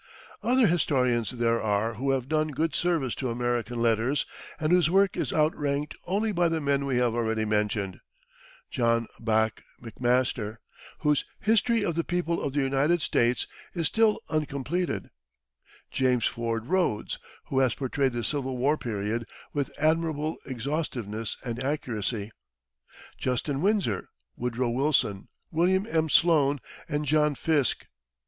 Other historians there are who have done good service to American letters and whose work is outranked only by the men we have already mentioned John Bach McMaster, whose "History of the People of the United States" is still uncompleted; James Ford Rhodes, who has portrayed the Civil War period with admirable exhaustiveness and accuracy; Justin Winsor, Woodrow Wilson, William M. Sloane, and John Fiske.